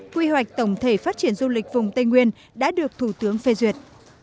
quy hoạch tổng thể phát triển du lịch vùng tây nguyên đã được thủ tướng phê duyệt